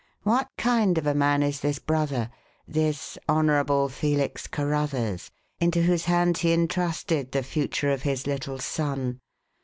What kind of a man is this brother this Honourable Felix Carruthers into whose hands he entrusted the future of his little son?